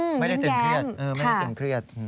ไม่ได้เต็มเครียด